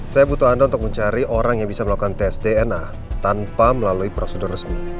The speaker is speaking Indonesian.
saya butuh anda untuk mencari orang yang bisa melakukan tes dna tanpa melalui prosedur resmi